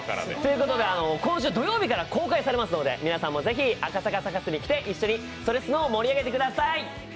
今週土曜日から公開されますので、皆さんもぜひ、赤坂サカスに来て、一緒に「それスノ」を盛り上げてください。